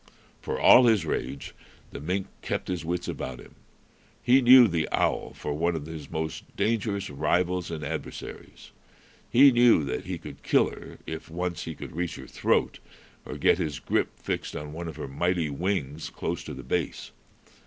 For all his rage, the mink kept his wits about him. He knew the owl for one of his most dangerous rivals and adversaries. He knew that he could kill her if once he could reach her throat or get his grip fixed on one of her mighty wings close to the base.